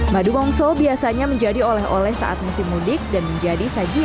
madu mongso biasanya menjadi oleh oleh saat musim mudik dan menjadi sajian